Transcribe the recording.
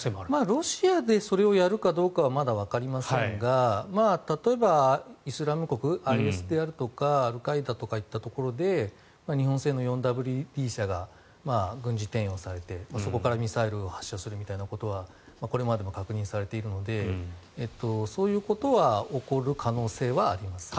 ロシアでそれをやるかどうかはまだわかりませんが例えば、イスラム国ＩＳであるとかアルカイダとかいったところで日本製の４ＷＤ車が軍事転用されて、そこからミサイルを発射するみたいなことはこれまでも確認されているのでそういうことは起こる可能性はありますね。